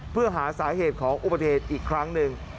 เพื่อหาสาเหตุของอุบัติเหตุอีกครั้งหนึ่ง